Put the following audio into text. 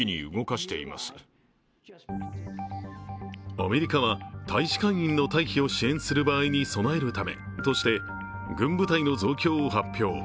アメリカは大使館員の退避を支援する場合に備えるためとして軍部隊の増強を発表。